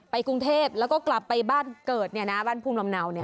กรุงเทพแล้วก็กลับไปบ้านเกิดเนี่ยนะบ้านภูมิลำเนาเนี่ย